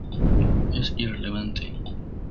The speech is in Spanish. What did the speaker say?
Es irrelevante".